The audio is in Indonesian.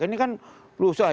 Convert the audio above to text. ini kan rusak